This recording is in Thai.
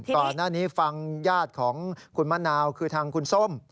ก่อนหน้านี้ฟังญาติของคุณมะนาวคือทางคุณส้ม